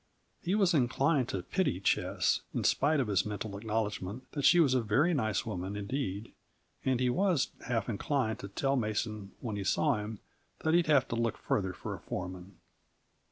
He was inclined to pity Ches, in spite of his mental acknowledgment that she was a very nice woman indeed; and he was half inclined to tell Mason when he saw him that he'd have to look further for a foreman.